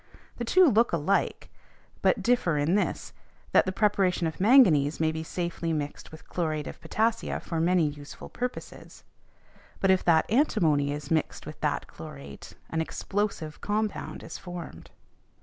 The two look alike, but differ in this, that the preparation of manganese may be safely mixed with chlorate of potassia for many useful purposes; but if that antimony is mixed with that chlorate, an explosive compound is formed.